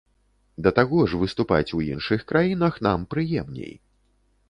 Да таго ж, выступаць у іншых краінах нам прыемней.